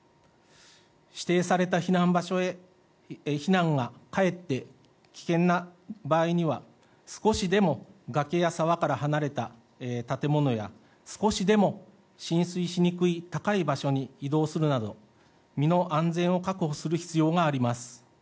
指定された避難場所へ避難がかえって危険な場合には少しでも崖や沢から離れた建物や少しでも浸水しにくい高い場所に移動するなど身の安全を確保する必要があります。